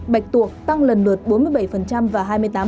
bạch tuộc tăng lần lượt bốn mươi bảy và hai mươi tám